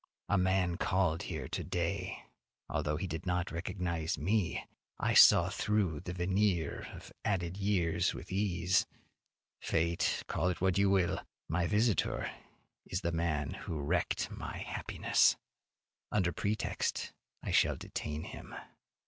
A man called here to day. Although he did not recognize me, I saw through the veneer of added years with ease. Fate, call it what you will, my visitor is the man who wrecked my happiness. Under pretext I shall detain him.